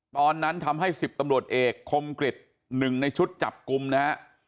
ตอนนั้นทำให้๑๐ตำรวจเอกคมกริจ๑ในชุดจับกลุ่มนะฮะ